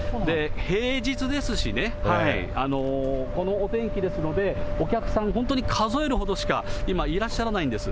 平日ですしね、このお天気ですので、お客さん、本当に数えるほどしか今、いらっしゃらないんです。